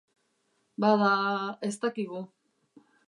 Bada, ez dakigu.